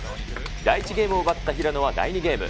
第１ゲームを奪った平野は第２ゲーム。